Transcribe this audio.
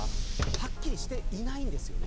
はっきりしていないんですよね。